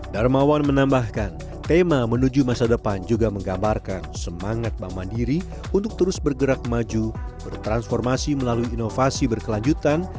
darmawan menambahkan tema menuju masa depan juga menggambarkan semangat bank mandiri untuk terus bergerak maju bertransformasi melalui inovasi berkelanjutan